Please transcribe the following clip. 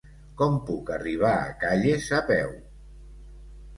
Com puc arribar a Calles a peu?